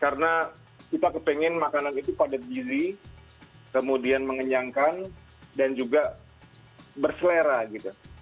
karena kita kepengen makanan itu padat diri kemudian mengenyangkan dan juga berselera gitu